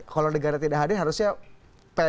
kalau negara tidak hadir harusnya pmi hadir gitu ya